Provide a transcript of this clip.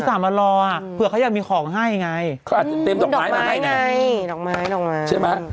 เขาสะมารอเผื่อให้มีของให้ไง